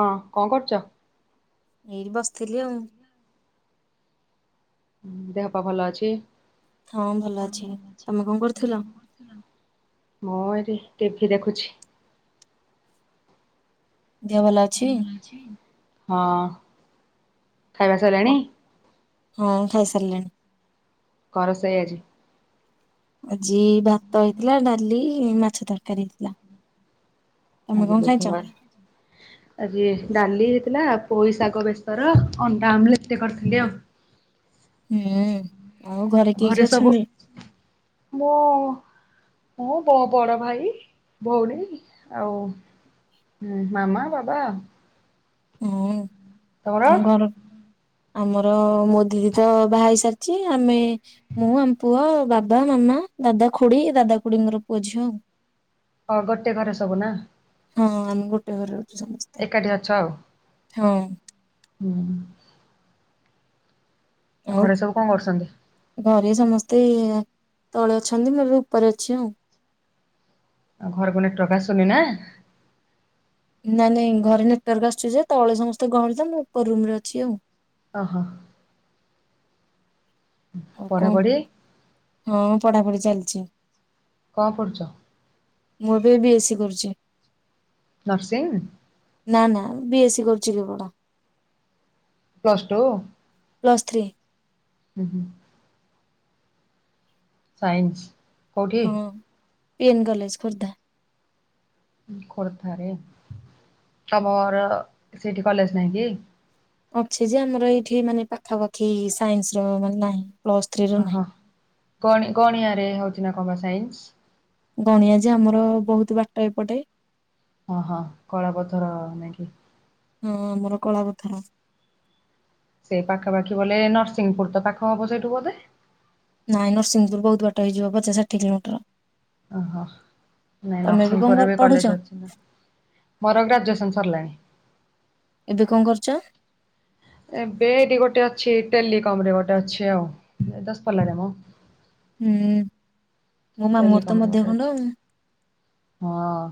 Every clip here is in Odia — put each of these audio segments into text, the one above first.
ହଁ କଣ କରୁଛ? ଏଇ ବସିଥିଲି ଆଉ। ଦେହ ପା ଭଲ ଅଛି? ହଁ ଭଲ ଅଛି ତମେ କଣ କରୁଥୁଲ? ମୁଁ ଏଠି ଟିଭିି ଦେଖୁଛି। ଦେହ ଭଲ ଅଛି? ହଁ ଖାଇବା ସରିଲାଣି। ହୁଁ ଖାଇ ସାରିଲେଣି। କଣ ରୋସେଇ ଆଜି। ଆଜି ଭାତ ହେଇଥିଲା ଡାଲି ମାଛ ତରକାରୀ ହେଇଥିଲା। ତମେ ଆଜି କଣ ଖାଇଛ? ବୁଧବାର। ଆଜି ଡାଲି ହେଇଥିଲା ପୋଇ ଶାଗ ବେସର ଅଣ୍ଡା ଆମ୍ଵଲେଟ ଟିକେ କରିଥିଲି ଆଉ। ହୁଁ। ଆଉ କିଏ ଘରେ କିଏ ସବୁ ଅଛନ୍ତି? ମୁଁ ମୁଁ ମୋ ବଡ ଭାଇ ଭଉଣୀ ଆଉ ହୁଁ ମାମା ବାବା ଆଉ। ହୁଁ। ତମର ମୁଁ ଘର ଆମର ମୋ ଦିଦି ତ ବାହା ହେଇସାରିଛି ଆମେ ମୁଁ ଆମ ପୁଅ ବାବା, ମାମା, ଦାଦା, ଖୁଡି ଦାଦା ଖୁଡିଙ୍କର ପୁଅ ଝିଅ ଆଉ ହଁ ଗୋଟେ ଘରେ ସବୁ ନା। ହଁ ଆମେ ଗୋଟେ ଘରେ ରହୁଚୁ ସମସ୍ତେ। ଏକାଠି ଅଛ ଆଉ। ହୁଁ। ହୁଁ। ଆଉ ଘରେ ସବୁ କଣ କରୁଛନ୍ତି? ଘରେ ସମସ୍ତେ ତଳେ ଅଛନ୍ତି ମୁ ଏବେ ଉପରେ ଅଛି ଆଉ। ଆଉ ଘରକୁ ଏଇନା ଟ୍ରକ୍ ଆସୁନି ନା ନାଇଁ ନାଇଁ ଘରେ ନେଟୱାର୍କ ଆସୁଛି ଯେ ତଳେ ସମସ୍ତେ ଗହଳି ତ ମୁଁ ଉପର ରୁମ ରେ ଅଛି ଆଉ। ଅ ହ। ଆଉ କଣ ପଢାପଢି ହଁ ପଢାପଢି ଚାଲିଛି। କଣ ପଡ଼ୁଛ? ମୁଁ ଏବେ ବି ଏ ସି କରୁଛି। ନରସିଂହ ନା। ନାଁ ନାଁ ବି ଏ ସି କରୁଛି କେବଳ। Plus two. Plus three. ହୁଁ ହୁଁ। ସାଇନ୍ସ। କୋଉଠି? ହଁ ପି ଏନ୍ କଲେଜ ଖୋର୍ଦ୍ଧା। ଖୋର୍ଦ୍ଧାରେ ତମର ସେଠି କଲେଜ ନାଇଁ କି? ଅଛି ଯେ ଆମର ଏଇଠି ମାନେ ପାଖାପାଖି ସାଇନ୍ସ ର ମାନେ ନାହିଁ। ପ୍ଲସ୍ ଥ୍ରୀ ର ନାହିଁ। ଓହୋ ଗଣି-ଗଣିବାରେ ହୋଉଚି ନା କଣ ବା ସାଇନ୍ସ? ଗଣିଆ ଯେ ଆମର ବୋହୁତ ବାଟ ଏପଟେ। ଓ ହୋ କଳା ପଥର ନା କି। ହଁ ଆମର କଳା ପଥର। ସେଇ ପାଖାପାଖି ଗଲେ ନରସିଂହପୁର ତ ପାଖ ହବ ସେଇଠୁ ବୋଧେ। ନାଇଁ ନରସିଂହପୁର ବୋହୁତ ବାଟ ହେଇଯିବ ପଚାଷ ଷାଠିଏ କିଲୋମିଟର। ଓହୋ ନାଇଁ ତମେ ଏବେ ନରସିଂହପୁର କଣ ପରେ କର- ବି ପଢୁଛ? କଲେଜ ଅଛି ନା। ମୋର ଗ୍ରାଜୁଏସନ୍ ସରିଲାଣି। ଏବେ କଣ କରୁଚ? ଏବେ ଏଇଠି ଗୋଟେ ଅଛି ଟେଲିକମରେ ଗୋଟେ ଅଛି ଆଉ ଏ ଦଶପଲ୍ଲାରେ ମ। ହୁଁ ମୋ ମାମୁଁ ଘର ଟେଲିକମ ତ ରେ ଗୋଟେ ଅଛି ମଧ୍ୟଖଣ୍ଡ ଆଉ। ହଁ।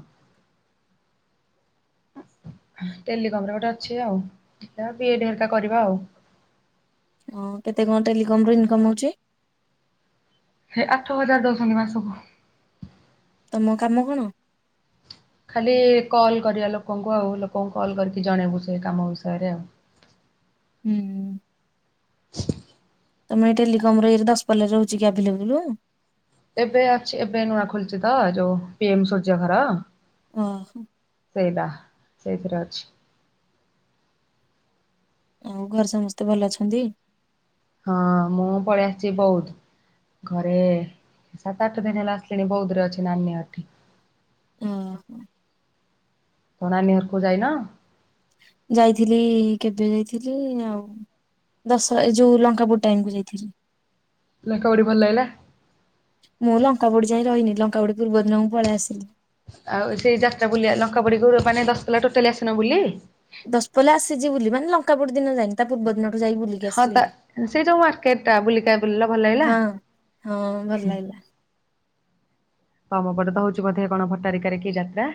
ଟେଲିକମରେ ଗୋଟେ ଅଛି ଆଉ ବିଇଡି ହେରିକା କରିବା ଆଉ। ହଁ କେତେ କଣ ଟେଲିକମରୁ ଇନକମ୍ ହୋଉଚି? ହେ ଆଠ ହଜାର ଦୋଉଚନ୍ତିନ ମାସକୁ। ତମ କାମ କଣ? ଖାଲି କଲ୍ କରିବା ଲୋକଙ୍କୁ ଆଉ ଲୋକଙ୍କୁ କଲ୍ କରିକି ଜଣେଇବୁ ସେ କାମ ବିଷୟରେ ଆଉ। ହୁଁ ହୁଁ ହୁଁ। [inaudible] ତମ ଏଇ ଟେଲିକମରେ ଏଇ ଦଶପଲ୍ଲାରେ ରହୁଚି କି ଆଭେଲେବୁଲୁ? ଏବେ ଅଛି ଏବେ ନୂଆ ଖୋଲିଚି ତ ଯୋଉ ପିଏମ ସୂର୍ଯ୍ୟଘର। ଓହୋ। ସେଇଟା ସେଇଥିରେ ଅଛି। ଆଉ ଘରେ ସମସ୍ତେ ଭଲ ଅଛନ୍ତି? ହଁ ମୁଁ ପଳେଇ ଆସିଚି ବୌଦ୍ଧ। ଘରେ ସାତ ଆଠ ଦିନ ହେଲା ଆସିଲିଣି ବୌଦ୍ଧରେ ଅଛି ନାନୀ ଘଠି। ଓହୋ। ତମ ନାନି ଘରକୁ ଯାଇନ? ଯାଇଥିଲି କେବେ ଯାଇଥିଲି ଆଉ ଦଶ ଏ ଯୋଉ ଲଙ୍କାପୋଡି ଟାଇମରେ ଯାଇଥିଲି। ଲଙ୍କାପୋଡି ଭଲ ଲାଗିଲା? ମୁଁ ଲଙ୍କାପୋଡି ଯାଏ ରହନି। ଲଙ୍କାୁପୋଡି ପୂର୍ବ ଦିନ ମୁଁ ପଳେଇ ଆସିଲି। ଆଉ ସେଇ ଯାତ୍ରା ବୁଲି ଆଇ ଲଙ୍କାପୋଡିକୁ ମାନେ ଦଶପଲ୍ଲା ଟୋଟାଲି ଆସିନ ବୁଲି? ଦଶପଲ୍ଲା ଆସିଚି ବୁଲି ମାନେ ଲଙ୍କାୁପୋଡି ଦିନ ଯାଇନି ତା ପୂର୍ବ ଦିନ ହଁ ତା ସେଇ ଯୋଉ ମାର୍କେଟଟା ବୁଲିକି ଆ ବୁଲିଲ ଭଲ ଲାଗିଲା। ହଁ। ହଁ ଭଲ ଲାଗିଲା। ତମ ପଟେ ତ ହୋଉଚି ବୋଧେ କଣ ଭଟାରିକାରେ କି ଯାତ୍ରା?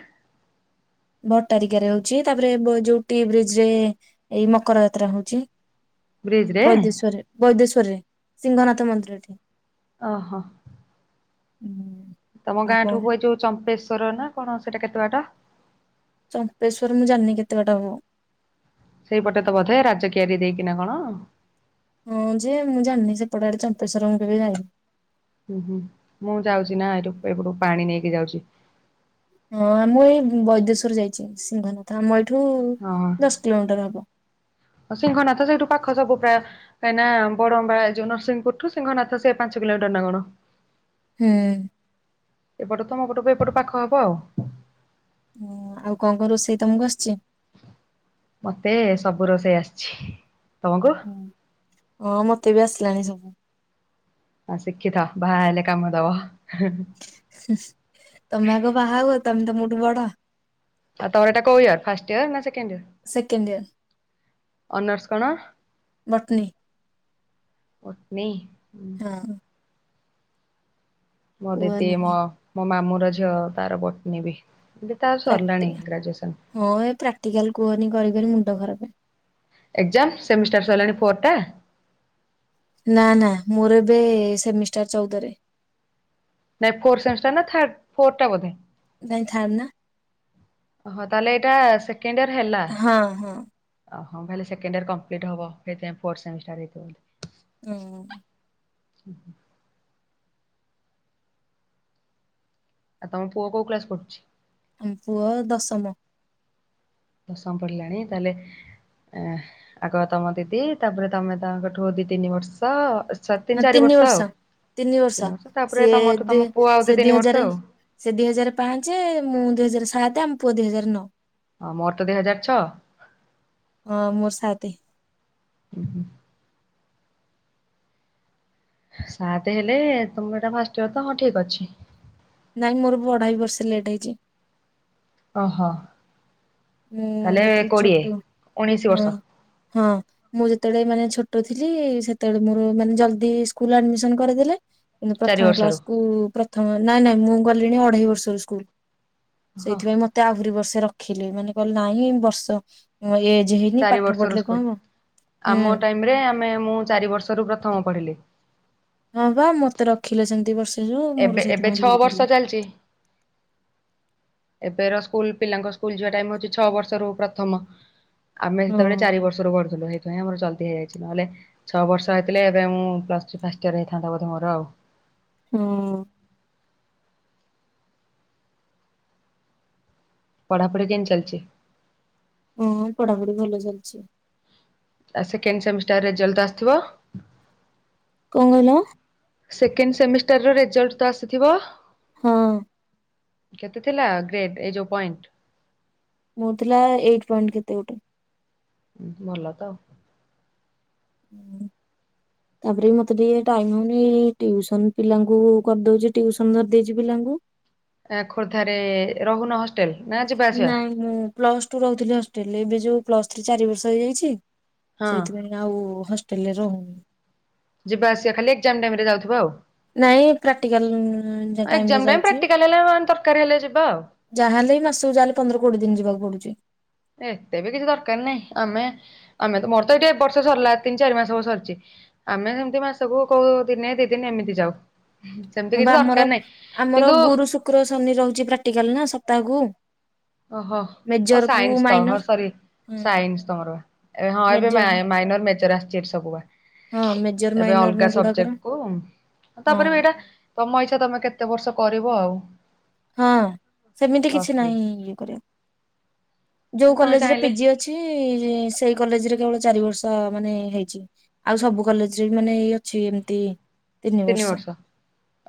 ଭଟଟାରିକାରେ ଅଛି ତାପରେ ବୋ ଯୋଉଠି ବ୍ରିଜରେ ଏଇ ମକର ଯାତ୍ରା ହୋଉଚି। ବ୍ରିଜ ରେ? ବୈଦେଶ୍ଵରରେ ବୈଦେଶ୍ଵରରେ ସିଂଘନାଥ ମନ୍ଦିର ଏଠି ଓହୋ। ହୁଁ। ତମ ଆଉ ଗାଁ ଠୁ କଣ [unintelligible] ଯୋଉ ଚମ୍ପେଶ୍ଵର ନା କଣ ସେଟା କେତେ ବାଟ? ଚମ୍ପେଶ୍ୱର ମୁଁ ଜାଣିନି କେତେ ବାଟା ହବ। ସେଇପଟେ ତ ବୋଧେ ରାଜ କିିଆରି ଦେଇକିନା କଣ। ହଁ ଯେ ମୁଁ ଜାଣିନି ସେପଟେ ଆଡେ ଚମ୍ପେଶ୍ୱର ମୁଁ କେବେ ଯାଇନି। ଉଁ ହୁଁ ମୁଁ ଯାଉଚି ନା ଏଠୁ ଏପଟୁ ପାଣି ନେଇକି ଯାଉଚି। ହଁ ଆମଁ ଏଇ ବୈଦେଶ୍ୱର ଯାଇଛି ସିଂହନାଥ ଆମ ଏଇଠୁ ହଁ ଦଶ କିଲୋମିଟର ହବ। ସିଂହନାଥ ସେଇଠୁ ପାଖ ସବୁ ପ୍ରାୟ କାହିଁକିନା [inaudible] ଏ ଯୋଉ ନରସିଂହପୁରୁ ସିହନାଥ ସେ ପାଞ୍ଚ କିଲୋମିଟର ନା କଣ? ହୁଁ। ଏପଟ ତମ ପଟକୁ ଏପଟ ପାଖ ହବ ଆଉ ଓ ଆଉ କଣ କଣ ରୋଷେଇ ତମକୁ ଆସୁଛି? ମତେ ସବୁ ରୋଷେଇ ଆସିଛି ତମକୁ? ହଁ ମତେ ବି ଆସିଲାଣି ସବୁ। ହଁ ଶିଖିଥାଅ ବାହା ହେଲେ କାମ ଦବ। ତମେ ଆଗ ବାହାହୁଅ ତମେ ତ ମୋ ଠୁ ବଡ ଆଉ ତମର ଏଟା କୋଉ ଇଅର ଫାର୍ଷ୍ଟ ୟେର୍ ନା second year second year honours କଣ? ବଟନି। ବଟନି ହଁ। ମୋ ଦିଦି ମୋ କୁହନି ମୋ ମାମଁ ର ଝିଅ ତାର ବଟନି ବି ଯେ ତାର ସରିଲାଣି ପ୍ରାକ୍ଟିକାଲ ଗ୍ରାଜୁଏସନ୍। ହଁ ଏ ପ୍ରାକ୍ଟିକାଲ କୁହନି କରି କରି ମୁଣ୍ଡ ଖରାପେ ଏକ୍ଜାମ ସେମିଷ୍ଟାର ସଇଲାଣି ଫୋର୍ ଟା? ନା ନା ମୋର ଏବେ ସେମିଷ୍ଟାର ଚଉଦରେ ନାଇଁ ଫୋର ସେମିଷ୍ଟାର ନା ଥ ଟା ବୋଧେ ନାାଇଁ ଥାର ନା ଓହୋ ତାହଲେ ଏଇଟା ସେକେଣ୍ଡ ଇୟର ହେଲା? ହଁ ହଁ। ଓହୋ ଭଲେ ସେକେଣ୍ଡ ଇୟର କମ୍ପ୍ଲିଟ ହବ ସେଇଥିାଇ ଫୋର୍ଥ ସେମିଷ୍ଟାର ହେଇଥିବ ହୁଁ। ହୁଁ ହଁ। ଆଉ ତମ ପୁଅ କୋଉ ଉ୍ଲାସ ପଡୁଛି? ଆମ ପୁଅ ଦଶମ। ଦସା ପଡିଲାଣି ତାହେଲେ ଏ ଆଗ ତମ ଦିଦି ତାପରେ ତମେ ତାଙ୍କଠୁ ଦି ତିନି ବର୍ଷ ସ ହଁ ଚାରି ତିନି ଆଉ। ବର୍ଷ ତିନି ବର୍ଷ ତାପରେ ତମଠୁ ସିଏ ତମ ପୁଅ ଆଉ ସେ ତିନି ଦି ବର୍ଷ ହଜାର ଆଉ ସେ ଦିଇ ହଜାର ପାଞ୍ଚ ମୁଁ ଦୁଇ ହଜାର ସାତ ଆମ ପୁଅ ଦିଇ ହଜାର ନଅ। ଆ ମୋର ତ ଦିଇ ହଜାର ଛଅ। ହଁ ମୋର ସାତେ ସାତ ହେଲେ ତମର ଏଟା ଫାଷ୍ଟିବ ତ ହଁ ଠିକ ଅଛି ନାଇଁ ମୋର ବି ଅଢେଇ ବର୍ଷ ଲେଟ୍ ହେଇଛି ଓହୋ ମୁଁ ତାହେଲେ ଯେତେବେଳେ କୋଡିଏ ଛୋଟ ଉଣେଇଶି ହଁ ବର୍ଷ? ହଁ। ମୁଁ ଯେତେବେଳେ ମାନେ ଛୋଟ ଥିଲି ସେତେବେଳେ ମୋର ମାନେ ଜଲି ସ୍କୁଲ ଆଡମିନ କରିଦେଲେ କିନ୍ତୁ ଚାରି ପ୍ରଥମ ବର୍ଷରୁ କ୍ସକୁ ପ୍ରଥମ ନାଇଁ ନାଇଁ ମୁଁ ଗଲିଣି ଅଢେଇ ବର୍ଷର ସ୍କୁଲ ହଁ ସେଇଥିପାଇଁ ମତେ ଆହୁରି ବର୍ଷେ ରଖିଲେ ମାନେ କହିଲ ନାଇଁ ବର୍ଷ ହଁ ଏଜ୍ ହେଇନି ଚାରି ପାଠ ପଢିଲେ କଣ ହବ ହୁଁ। ଆ ମୁଁ ଚାରି ବର୍ଷରୁ ପ୍ରଥମ ପଢିଲି। ହଁ ବା ମତେ ରଖିଲେ ସେମିତିି ବର୍ଷ ଏବେ ଏବେ ଛଅ ବର୍ଷ ଚାଲିଛି ଏବେର ସ୍କୁଲ ପିଲାଙ୍କ ସ୍କୁଲ ଯିବା ଟାଇମ ହଉଛି ଛଅ ବର୍ଷରୁ ପ୍ରଥମ। ଆମେ ହଁ ସେତେବେଳେ ଚାରି ବର୍ଷ ରୁ ପଢୁଥିଲୁ ଆମର ଜଲଦି ହେଇଯାଇଛି। ନହେଲେ ଛଅବର୍ଷ ହେଇଥିଲେ, ଏବେ ମୁଁ ପ୍ଲସଟୁ ଫାଷ୍ଟ ଇୟର ହେଇଥାନ୍ତା ବୋଧ, ମୋର ଆଉ। ହୁଁ। ପଢ଼ାପଢ଼ି କେମିତି ଚାଲିଛି? ହୁଁ, ପଢାପଢି ଭଲ ଚାଲିଛି। ଆ, ସେକଣ୍ଡ ସେମିଷ୍ଟାରରେ ରେଜଲ୍ଟ ଆସଥିବ। କଣ କହିଲ? ସେକେଣ୍ଡ ସେମିଷ୍ଟାର ରେଜଲ୍ଟ ତ ଆସିଥିବ? ହଁ। କେତେ ଥିଲା ଗ୍ରେଡ, ଏଇ ଯୋଉ ପଏଣ୍ଟ? ମୋ ଥିଲା ଏଇଟ ପଏଣ୍ଟ କେତେ ଗୋଟେ। ଭଲ ତ। [inaudible] ତାପରେ ବି ମତେ ଟିକେ ଟାଇମ ହଉନି। ଟିଉସନ ପିଲାଙ୍କୁ କରିଦଉଛି, ଟିଉସନ ଧରିଦେଇଛି ପିଲାଙ୍କୁ। ଖୋର୍ଦ୍ଧାରେ ରହୁନ ହ [unintelligible] ନାଇଁ, ମୁଁ ପ୍ଲସ ଟୁ ରହୁଥିଲି ହଷ୍ଟେଲରେ। ଏବେ ଯୋଉ ପ୍ଲସ ଥ୍ରୀ, ଚାରି ବର୍ଷ ହେଇଯାଇଛି। ହଁ ସେଇଥିପାଇଁ ଆଉ ହଷ୍ଟେଲ ରେ ରହୁନି। ଯିବା ଆସିବା ଖାଲି ଏକ୍ଜାମ ଟାଇମ ରେ ଯାଉଥିବ, ଆଉ। ନାଇଁ, ପ୍ରାକ୍ଟିକାଲ ଟାଇମରେ ଏକ୍ଜାମ ଟା ପ୍ରାକ୍ଟିକାଲ ହେଲେ ଦରକାର ହେଲେ ଯିବା ଆଉ। ଯାହା ହେଲେ ବି, ମାସକୁ ଯାହେଲେ ପନ୍ଦର କୋଡ଼ିଏ ଦିନ ଯିବାକୁ ପଡୁଛି। ଏତେ ବି କିଛି ଦରକାର ନାହିଁ। ଆମେ ଆମେ ତ ମୋର ତ ଏଇଠି ବର୍ଷ ସରିଲା, ତିନି ଚାରି ମାସ ହବ ସରିଛି। ଆମେ ସେମତି ମାସକୁ କୋଉ ଦିନ ଦି ଦିନ ଏମିତି ଯାଉ। ସେମିତି ବା କିଛି ଆମର ଦରକାର ନାହିଁ ଆମର କିନ୍ତୁ ଗୁରୁ ଶୁକ୍ର, ଶନି ରହୁଛି ପ୍ରାକ୍ଟିକାଲ ନା? ସପ୍ତାହକୁ? ଓହୋ, ମେଜର କୁ ସାଇନ୍ସ ତ! ହଁ ମାଇନର। ସରି। ସାଇନ୍ସ ତମର ଏବେ, ହଁ? ଏବେ ମେଜର ମାଇନର, ମେଜର ଆସିଛି, ଏବେ ସବୁ ବା? ହଁ ମେଜର ଏବେ ଅଲଗା ମାଇନର ଗୁଡାକର ସବଜେକ୍ଟ କୁ। ହଁ। ତାପରେ ବି ଏଇଟା? ତମ ଇଚ୍ଛା, ତମେ କେତେ ବର୍ଷ କରିବ ଆଉ? ହଁ, ସେମିତି ପ୍ଲସ୍ କିଛି ଥ୍ରୀ। ନାହିଁ। ଇଏ କରିବା। ଯୋଉ ତମେ କଲେଜରେ ଚାହିଁଲେ ପିଜି ଅଛି, ସେଇ କଲେଜରେ କେବଳ ଚାରି ବର୍ଷ ମାନେ ହେଇଛି। ଆଉ ସବୁ କଲେଜରେ ବି ମାନେ ଏଇ ଅଛି, ଏମିତି? ତିନି ବର୍ଷ।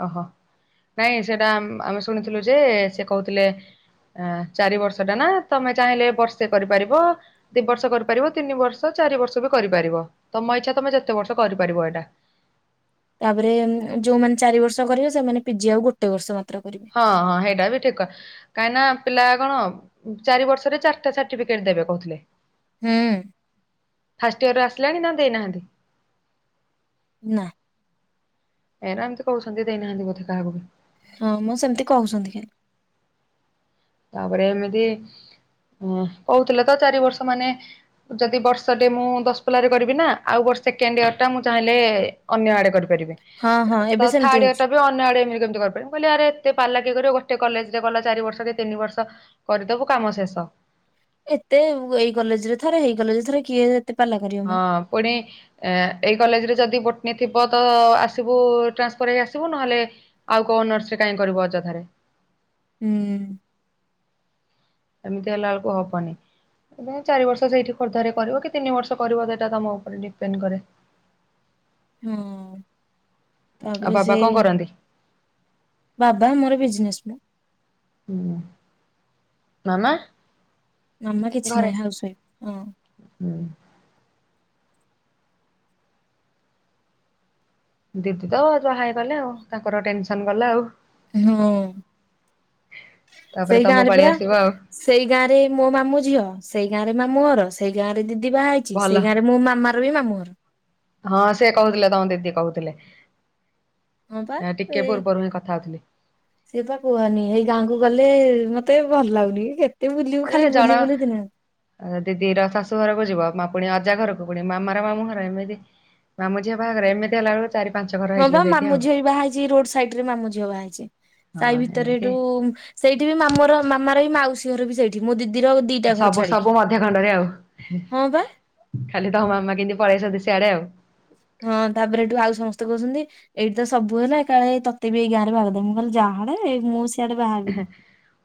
ଓହୋ, ନାଇଁ। ସେଇଟା ଆମେ ଶୁଣିଥିଲୁ ଯେ ସେ କହୁଥିଲେ। ଆ, ଚାରି ବର୍ଷ ଟା ନା? ତମେ ଚାହିଁଲେ ବର୍ଷେ କରିପାରିବ। ଦି ବର୍ଷ କରିପାରିବ, ତିନି ବର୍ଷ, ଚାରି ବର୍ଷ ବି କରିପାରିବ। ତମ ଇଚ୍ଛା, ତମେ ଯେତେ ବର୍ଷ କରିପାରିବ ଏଇଟା। ତାପରେ ଯୋଉମାନେ ଚାରି ବର୍ଷ କରିବେ, ସେମାନେ ପିଜି ଆଉ ଗୋଟେ ବର୍ଷ ମାତ୍ର କରିବ। ହଁ ହଁ, ହେଟା ବି ଠିକ୍ କାହିଁକି ନା, ପିଲା କଣ ଚାରି ବର୍ଷରେ ଚାରିଟା ସାର୍ଟିଫିକେଟ ଦେବେ କହୁଥିଲେ। ହୁଁ। ଫାଷ୍ଟ ଇୟର ର ଆସିଲାଣି ନା? ଦେଇନାହାନ୍ତି? ନାଁ। ଏଇ, ଏମିତି କହୁୁଛନ୍ତି। ଦେଇନାହାନ୍ତି ବୋଧେ କାହାକୁ। ହଁ, ମ ସେମିତି କହୁଛନ୍ତି ଖାଲି। ତାପରେ ଏମିତି କହୁଥିଲେ ତ, ଚାରି ବର୍ଷ ମାନେ ଯଦି ବର୍ଷ ଟେ ମୁଁ ଦଶ ପଲାରେ କରିବି ନା ଆଉ ବର୍ଷେ କେଣ୍ଡ ଇୟର ଟା ମୁଁ ଚାହିଁଲେ ଅନ୍ୟ ଆଡେ କରିପାରିବି। ହଁ ହଁ ଏବେ ତ ସେମିତି ଥାଡିୟ ହଉଛି। ଟା ବି ଅନ୍ୟ ଆଡେ ଏମିଳି କେମିତି କରିପାରିବ। ବୋଇଲେ ଆରେ ଏତେ ପାଲା କିଏ କରିବ ଗୋଟେ କଲେଜରେ ଗଲା ଚାରି ବର୍ଷ ଟେ ତିନି ବର୍ଷ କରିଦବୁ କାମ ଶେଷ। ଏତେ ଉ ବ ଏଇ କଲେଜ ରେ ଥରେ ହେଇ କଲେଜ ଥରେ କିଏ ଏତ କେତେ ପାଲା କରିବ। ମ। ହଁ ପୁଣି ଏ ଏଇ କଲେଜରେ ଯଦି ବୋଟନୀ ଥିବ ତ ଆସିବୁ ଟ୍ରାନ୍ସଫର୍ ହେଇ ଆସିବୁ ନହେଲେ ଆଉ କୋଉ ଅନର୍ସରେ କାଇଁ କରିବୁ ଅଯଥାରେ ହୁଁ ଏମିତି ହେଲା ଳକୁ ହବନି। ଇବ ଚାରି ବର୍ଷ ସେଇଠି ଖୋର୍ଦ୍ଧାରେ କରିବ କି ତିନି ବର୍ଷ କରିବ ସେଇଟା ତମ ଉପରେ ଡିପେଣ୍ଡ କରେ। ହୁଁ ଆଉ ତାପରେ ବାବା କଣ ସେଇ କରନ୍ତି? ବାବା ମୋର ବିଜିନେସ ମେ। ହୁଁ ମାମା? ମାମା କିଛି ଘରେ ନାହିଁ ହାଉସ ୱାଇଫ୍ ହଁ। ହୁଁ ଦିଦି ତ ଯାହାହେବା ଗଲେ ଆଉ ତାଙ୍କର ଟେନସନ ଗଲା ଆଉ। ହୁଁ ତାପରେ ସେଇ ତମ ଗାଁରେ ପାଳି ପୁରା। ଆସିବ ଆଉ। ସେଇ ଗାଁ ରେ ମୋ ମାମୁଁ ଝିଅ ସେଇ ଗାଁ ରେ ମାମୁଁ ଘର ସେଇ ଗାଁ ରେ ଦିଦି ବାହା ହେଇଛି। ଚିସି ଭଲ ସେଇ ଗାଁରେ ମୋ ମାମାର ବି ମାମୁଁ ଘର। ହଁ ସେ କହୁଥିଲେ, ତମ ଦିଦି କହୁଥିଲେ। ହଁ ବା ଟିକେ ସେଇ ପୂର୍ବରୁ ହିଁ କଥା ହଉଥିଲି। ସିଏ ବା କୁହନି, ଏଇ ଗାଁକୁ ଗଲେ ମତେ ଭଲ ଲାଗୁନି କେତ ଏରେ ଜଣ ଅ ଦିଦି ର ଶାଶୁ ଘରକୁ ଯିବ, ମା ପୁଣି ଅଜା ଘରକୁ ପୁଣି ମାମାର ମାମୁଁ ଘର ଏମିତି ମାମୁଁ ଝିଅ ବାହାଘରେ ଏମିତି ହେଲା ବେଳକୁ ଚାରି ପାଞ୍ଚ ଘର୍ ହଁ ବା ମାମୁଁଝିଅ ଏଇ ବାହା ହେଇଛି ରୋଡ୍ ସାଇଟ୍ ରେ ମାମୁଁ ଝିଅ ବାହା ହେଇଛି ସାହି ହଁ ଭିତରେ ଏଠୁ ଏମିତି। ସେଇଠି ବି ମାମୁର ମାମାର ଏଇ ମାଉସି ଘର ବି ସେଇଠି, ମୋ ଦିଦିର ଆଦ ହି ସବୁ ସବୁ ମଧ୍ୟ ଖଣ୍ଡରେ ଆଉ ହି ହଁ ବା ଖାଲି ତମ ମାମା କେମିତି ପଳେଇ ଆସିଛନ୍ତି ସିଆଡେ ଆଉ ହଁ ତାପରେ ଏଠୁ ଆଉ ସମସ୍ତେ କହୁଛନ୍ତି ଏଇଠି ତ ସବୁ ହେଲା, ଏକାଳେ ଏଇ ତୋତେ ବି ଏଇ ଗାଁରେ। [unintelligible] ହେବିନି। ଏ-ହେ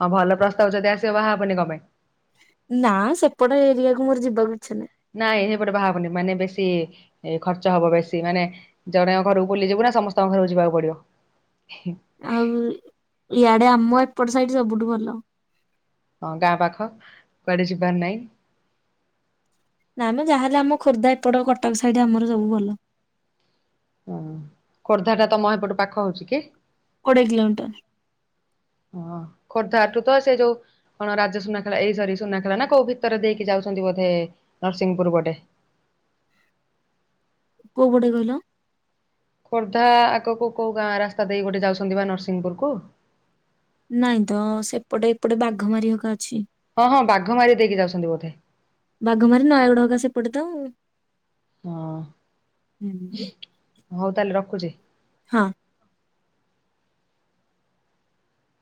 ହଁ ଭଲ ପ୍ରସ୍ତାବ ଯଦି ଆସିବ, ବାହାହବନି କ ପାଇଁ? ନାଁ ସେପଟ ଏରିଆକୁ ମୋର ଯିବାକୁ ଇଛା ନାହିଁ। ନାଇଁ ସେପଟ ବାହାହବନି ମାନେ ବେଶୀ ଏଇ ଖର୍ଚ୍ଚ ହବ ବେଶୀ ମାନେ ଜଣେଙ୍କ ଘରକୁ ବୁଲିଯିବୁ ନା ସମସ୍ତଙ୍କ ଘରକୁ ଯିବାକୁ ପଡିବ। ଇ। ଆଉ, ଇଆଡେ ଆମ ଏପଟ ସାଇଡ ସବୁଠୁ ଭଲ। ହଁ ଗାଁ ପାଖ କୁଆଡେ ଯିବାର ନାହିଁ। ନା ମ ଯାହାହେଲେ ଆମ ଖୋର୍ଦ୍ଧା ଏପଟ କଟକ ସାଇଟ୍ ଆମର ସବୁ ଭଲ। ଓଁ ଖୋର୍ଦ୍ଧା ଟା ତମ ଏପଟେ ପାଖ ହଉଛି କି? କୋଡ଼ିଏ କିଲୋମିଟର୍। ଉ ହଁ, ଖୋର୍ଦ୍ଧାଠୁ ତ ସେ ଯୋଉ କଣ ରାଜ ସୁନାଖେଳା ଏଇ ସରି ସୁନାଖେଳା ନା କୋଉ ଭିତର ଦେଇକି ଯାଉଛନ୍ତି ବୋଧେ, ନରସିଂହପୁର ପଟେ। କୋଉ ପଟେ କହିଲ? ଖୋର୍ଦ୍ଧା ଆଗକୁ କୋଉ ଗାଆଁ ରାସ୍ତା ଦେଇ ଗୋଟେ ଯାଉଛନ୍ତି ପା ନରସିଂହପୁରକୁ? ନାଇଁ ତ, ସେପଟେ ଏପଟେ ବାଘମାରୀ ହେକା ଅଛି। ହଁ-ହଁ ବାଘମାରୀ ଦେଇକି ଯାଉଛନ୍ତି ବୋଧେ। ବାଘମାରୀ ନୟାଗଡ଼ ହେକା ସେପଟେ ତ ଆଉ। ହଁ, ହଉ ତାହେଲେ ରଖୁଛି। ହଁ।